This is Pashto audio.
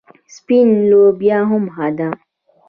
سپینه لوبیا هم ښه ده.